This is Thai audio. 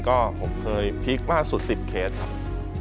ก็ผมเคยพีคมากสุด๑๐เคสครับ